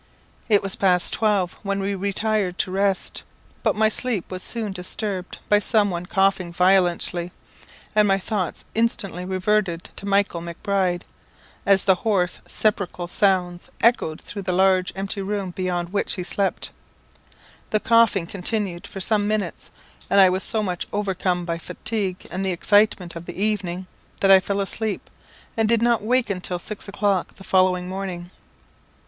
It was past twelve when we retired to rest, but my sleep was soon disturbed by some one coughing violently, and my thoughts instantly reverted to Michael Macbride, as the hoarse sepulchral sounds echoed through the large empty room beyond which he slept. The coughing continued for some minutes, and I was so much overcome by fatigue and the excitement of the evening that I fell asleep, and did not awake until six o'clock the following morning.